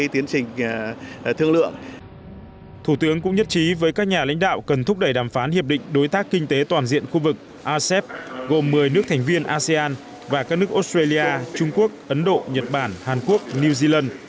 trong ngày đàm phán hiệp định đối tác kinh tế toàn diện khu vực asep gồm một mươi nước thành viên asean và các nước australia trung quốc ấn độ nhật bản hàn quốc new zealand